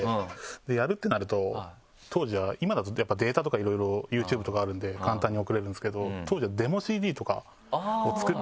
やるってなると当時は今だとデータとかいろいろＹｏｕＴｕｂｅとかあるんで簡単に送れるんですけど当時はデモＣＤとかを作って。